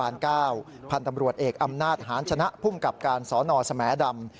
พันธุ์ตำรวจเอกอำนาจหาญชนะภูมิกับการสนสแหมดำ